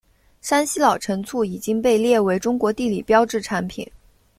山西老陈醋已经被列为中国地理标志产品。